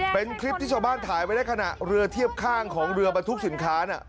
เป็นคลิปที่ชาวบ้านถ่ายไว้ได้ขณะเรือเทียบข้างของเรือบรรทุกสินค้า